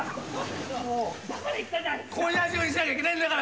今夜中にしなきゃいけないんだから。